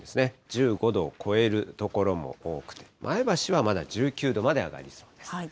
１５度を超える所も多くて、前橋はまだ１９度まで上がりそうです。